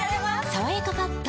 「さわやかパッド」